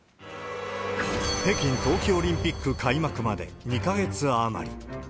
北京冬季オリンピック開幕まで２か月余り。